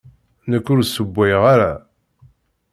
Nekk ur ssewwayeɣ ara.